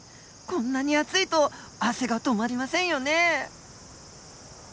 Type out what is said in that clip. こんなに暑いと汗が止まりませんよね。